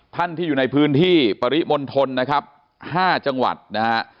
ท่านที่อยู่ในพื้นที่ปริมณฑลนะครับ๕จังหวัดนะฮะ